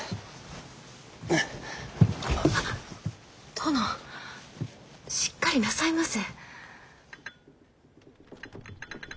殿しっかりなさいませ。